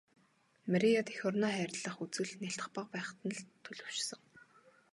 Марияд эх орноо хайрлах үзэл нялх бага байхад нь л төлөвшсөн.